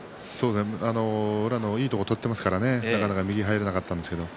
宇良もいいところを取っていますから右に入れなかったんですね。